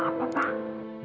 masalah apa pak